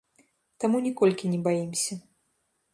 Таму, ніколькі не баімся.